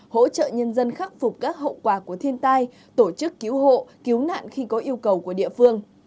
hỗ trợ nhân dân khắc phục các hậu quả của thiên tai tổ chức cứu hộ cứu nạn khi có yêu cầu của địa phương